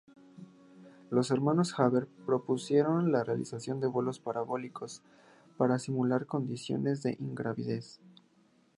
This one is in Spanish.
Los hermanos Haber propusieron la realización de vuelos parabólicos para simular condiciones de ingravidez.